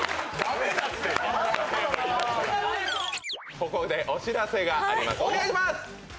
ここでお知らせがあります。